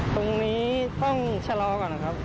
ตรงนี้ต้องชะลอก่อนนะครับ